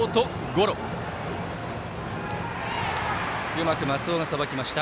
うまく松尾がさばきました。